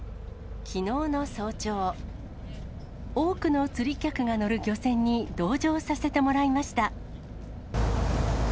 きのうの早朝、多くの釣り客が乗る漁船に同乗させてもらいました。